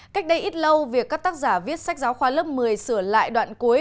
cách đây ít lâu việc các tác giả viết sách giáo khoa lớp một mươi sửa lại đoạn cuối